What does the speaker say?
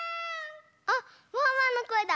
あっワンワンのこえだ！